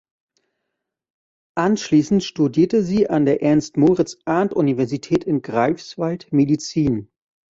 Anschließend studierte sie an der Ernst-Moritz-Arndt-Universität in Greifswald Medizin.